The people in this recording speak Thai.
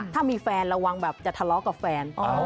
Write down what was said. ถ้ามีแฟนระวังแบบจะทะเลาะกับแฟน